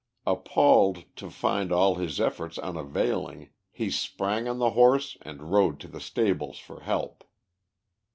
Appalled to find all his efforts unavailing, he sprang on the horse and rode to the stables for help.